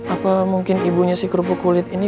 apa mungkin ibunya si kerupuk kulit ini